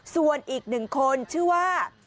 ส่วนอีก๑คนชื่อว่า